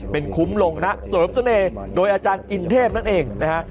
เป็นคุ้มลงนะเสริมเสน่ห์โดยอาจารย์อินเทพนั่นเองนะฮะ